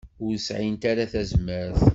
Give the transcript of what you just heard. Ur sɛint ara tazmert.